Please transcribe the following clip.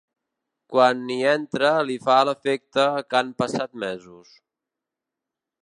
Quan hi entra li fa l'efecte que han passat mesos.